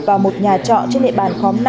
vào một nhà trọ trên hệ bàn khóm năm